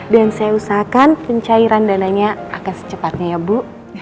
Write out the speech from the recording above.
dan saya usahakan pencairan dananya akan secepatnya ya bu